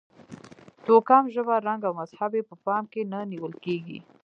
توکم، ژبه، رنګ او مذهب یې په پام کې نه نیول کېږي.